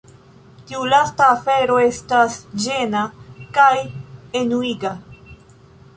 Tiu lasta afero estas ĝena kaj enuiga.